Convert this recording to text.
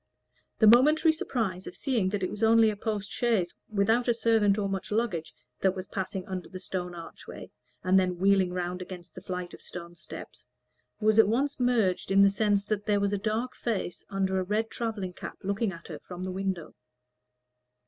The momentary surprise of seeing that it was only a post chaise, without a servant or much luggage, that was passing under the stone archway and then wheeling round against the flight of stone steps, was at once merged in the sense that there was a dark face under a red travelling cap looking at her from the window.